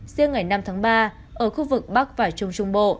riêng ngày năm tháng ba ở khu vực bắc và trung trung bộ